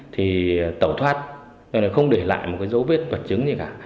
thì tẩu thoát không để lại dấu vết vật chứng gì cả